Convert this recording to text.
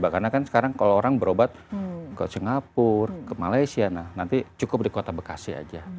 karena kan sekarang kalau orang berobat ke singapura ke malaysia nanti cukup di kota bekasi aja